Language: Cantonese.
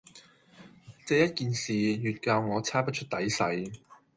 這一件事，越教我猜不出底細。